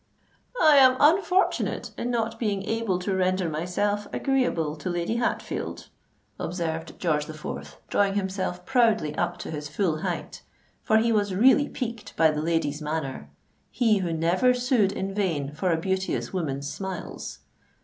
"I am unfortunate in not being able to render myself agreeable to Lady Hatfield," observed George the Fourth, drawing himself proudly up to his full height—for he was really piqued by the lady's manner—he who never sued in vain for a beauteous woman's smiles!